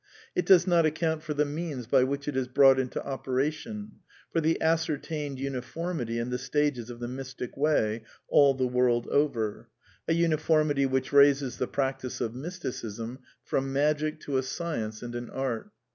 It does not account for the means by which it is brought into operation ; for the ascertained uniformity in the stages of the Mystic Way all the world over; a uni formity which raises the practice of Mysticism from magic to a science and an art.